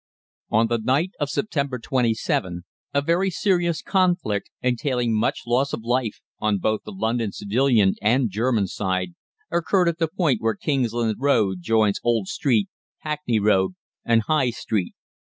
On the night of September 27, a very serious conflict, entailing much loss of life on both the London civilian and German side, occurred at the point where Kingsland Road joins Old Street, Hackney Road, and High Street.